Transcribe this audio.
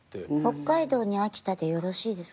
北海道に飽きたでよろしいですか？